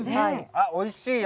あっおいしいよ。